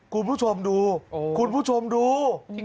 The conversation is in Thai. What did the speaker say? คุณผู้ชมดูคุณผู้ชมดู